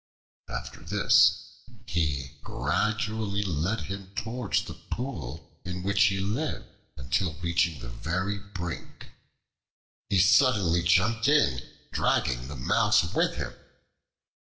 After this, he gradually led him towards the pool in which he lived, until reaching the very brink, he suddenly jumped in, dragging the Mouse with him.